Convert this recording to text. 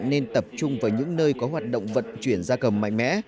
chúng tôi tập trung vào những nơi có hoạt động vận chuyển da cầm mạnh mẽ